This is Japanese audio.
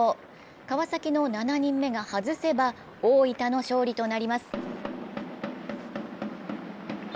川崎の７人目が外せば大分の勝利となります。